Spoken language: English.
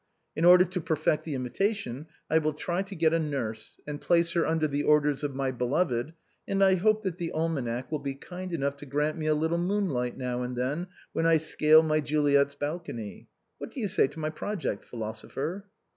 In order to perfect the imitation, I will try to get a nurse, and place her under the orders of my beloved, and I hope that the almanac will be kind enough to grant me a little moon light now and then, when I scale my Juliet's balcony. What do you say to my project, philosopher?"